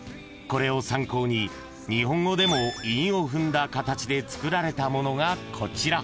［これを参考に日本語でも韻を踏んだ形でつくられたものがこちら］